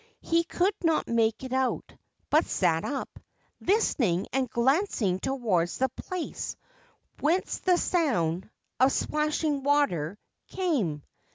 He could not make it out, but sat up, listening, and glancing towards the place whence the sound — of splashing water — came.